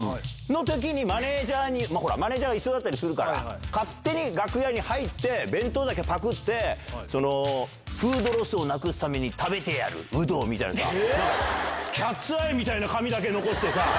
最近ね、俺がこうやって収録してるじゃん、のときにマネージャーに、マネージャーが一緒だったりするから、勝手に楽屋に入って弁当だけぱくって、フードロスをなくすために食べてやる、有働みたいな、キャッツアイみたいな紙だけ残してさ。